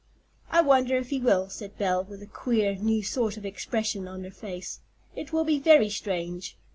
"I wonder if he will," said Belle, with a queer, new sort of expression on her face. "It will be very strange.